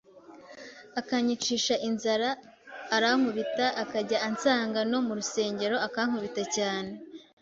akanyicisha inzara, arankubita akajya ansanga no mu rusengero akankubita cyane